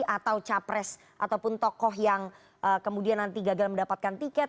atau capres ataupun tokoh yang kemudian nanti gagal mendapatkan tiket